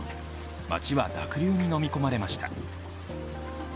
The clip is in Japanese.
街は濁流にのみ込まれました。